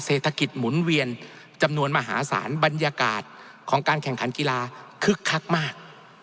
เศรษฐกิจหมุนเวียนจำนวนมหาศาลบรรยากาศของการแข่งขันกีฬาคึกคักมาก